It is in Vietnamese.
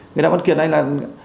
người ta vẫn kiện anh là